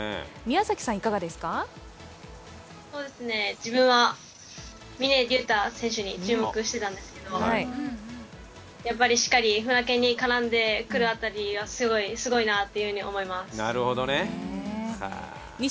自分は峰竜太選手に注目してたんですけど、しっかりと絡んでくる辺りはすごいなと思います。